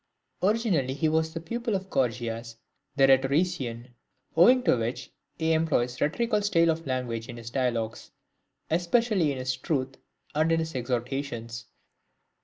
II. Originally he was a pupil of Gorgias the rhetorician ; owing to which circumstance he employs the rhetorical style of language in his Dialogues, especially in his Truth and in his Exhortations.